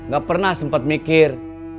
gak pernah sempet mikir